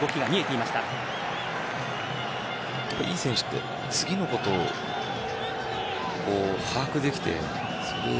いい選手って次のことを把握できて。